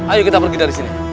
ayo kita pergi dari sini